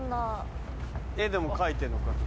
絵でも描いてるのかな。